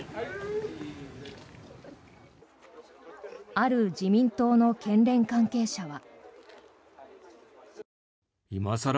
ある自民党の県連関係者は。